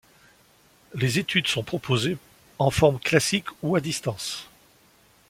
Les études sont proposées en forme classique ou à distance.